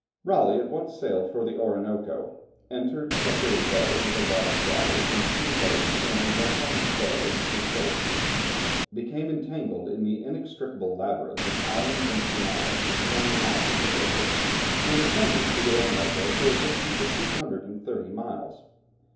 Raleigh at once sailed for the Orinoco, entered Capuri Bay with a large galley and three boats carrying 100 sailors and soldiers, became entangled in the inextricable labyrinth of islands and canals which form the mouth of the river, and ascended the Orinoco for a distance of 330 miles.